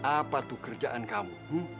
apa tuh kerjaan kamu